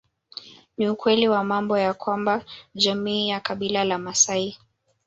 Ni ukweli wa mambo ya kwamba jamii ya kabila la maasai